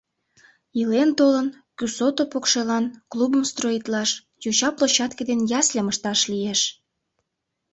Илен-толын, кӱсото покшелан клубым строитлаш, йоча площадке ден ясльым ышташ лиеш...